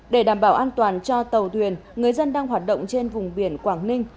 để đảm bảo an toàn cho tàu thuyền người dân đang hoạt động trên vùng biển quảng ninh